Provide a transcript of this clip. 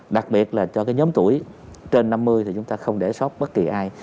đặc biệt là cho nhóm tuổi trên năm mươi thì chúng ta không để sóc bất kỳ ai